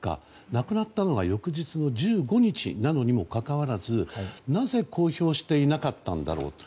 亡くなったのが翌日の１５日なのにもかかわらずなぜ公表していなかったんだろうと。